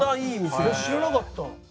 えっ知らなかった。